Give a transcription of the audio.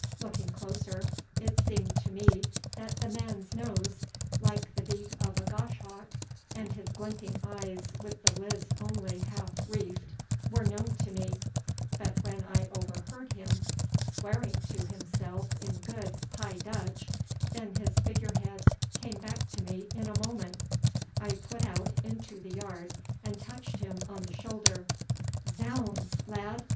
Looking closer it seemed to me that the man's nose, like the beak of a goshawk, and his glinting eyes with the lids only half reefed, were known to me, but when I overheard him swearing to himself in good High Dutch, then his figurehead came back to me in a moment. I put out into the yard, and touched him on the shoulder. Zounds, lad!